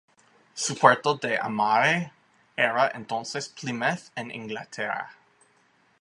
Su puerto de amarre era entonces Plymouth en Inglaterra.